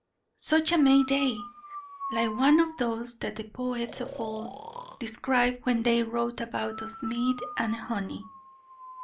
Such a May day! like one of those that the poets of old described when they wrote of mead and honey.